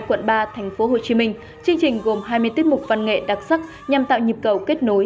quận ba tp hcm chương trình gồm hai mươi tiết mục văn nghệ đặc sắc nhằm tạo nhịp cầu kết nối